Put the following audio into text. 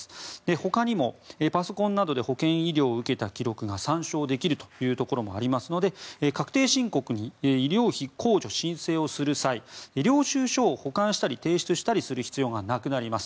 ほかにもパソコンなどで保健医療を受けた記録が参照できるところもありますので確定申告に医療費控除申請をする際領収書を保管したり提出する必要がなくなります。